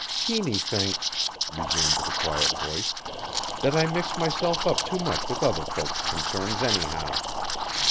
"Tiny thinks," resumed the quiet voice, "that I mix myself up too much with other folks's concerns anyhow.